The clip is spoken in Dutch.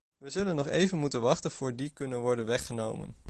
We zullen nog even moeten wachten voor die kunnen worden weggenomen.